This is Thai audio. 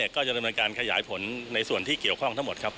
ก็จะดำเนินการขยายผลในส่วนที่เกี่ยวข้องทั้งหมดครับ